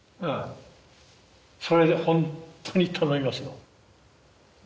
それで本当に頼みますよ